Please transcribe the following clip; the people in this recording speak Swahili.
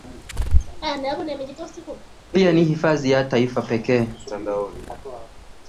pia ni hifadhi ya Taifa pekee